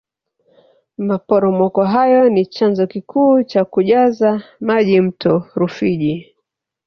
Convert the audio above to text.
maporomoko hayo ni chanzo kikuu cha kujaza maji mto rufiji